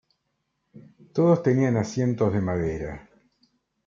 Todos tenían asientos de madera.